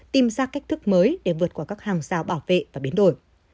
tìm ra cách thức mới để vượt qua các hàng rào bảo vệ và biến đổi